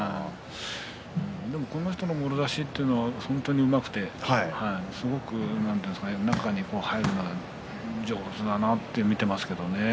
でも、この人のもろ差しは本当にうまくて中に入るのが上手だなって見ていますけどね。